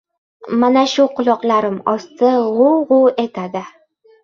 Mana shu quloqlarim osti «g‘uvv- g‘uvv» etadi.